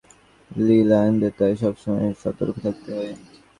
সি-লায়নদের তাই সবসময় সতর্ক থাকতে হয়।